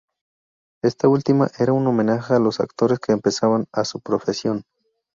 Esta última era un homenaje a los actores que empezaban a su profesión.